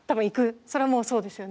それはもうそうですよね。